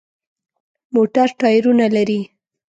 موټر ټایرونه لري.